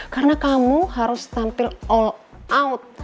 karena kamu harus tampil all out